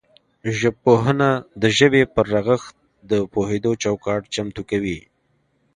ژبپوهنه د ژبې پر رغښت د پوهیدو چوکاټ چمتو کوي